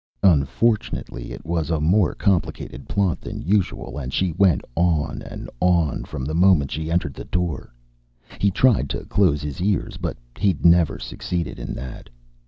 Unfortunately, it was a more complicated plot than usual, and she went on and on, from the moment she entered the door. He tried to close his ears, but he'd never succeeded in that.